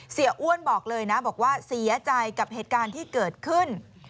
อ้วนบอกเลยนะบอกว่าเสียใจกับเหตุการณ์ที่เกิดขึ้น